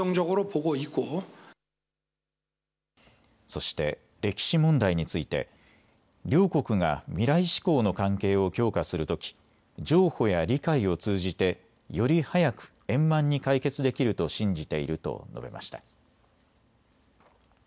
そして歴史問題について両国が未来志向の関係を強化するとき譲歩や理解を通じてより早く円満に解決できると信じていると述べました。